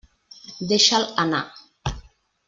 Deixa'l anar.